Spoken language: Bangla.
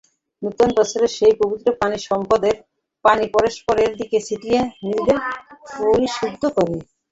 নতুন বছরে সেই পবিত্র পানি পরস্পরের দিকে ছিটিয়ে নিজেদের পরিশুদ্ধ করে।